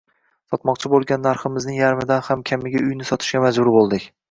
Sotmoqchi bo`lgan narximizning yarmidan ham kamiga uyni sotishga majbur bo`ldik